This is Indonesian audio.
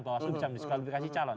bawaslu bisa mendiskualifikasi calon